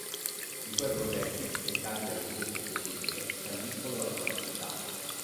I suoi progetti, dettati da richieste specifiche, scandiscono la sua attività.